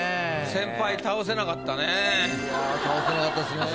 先輩倒せなかったね。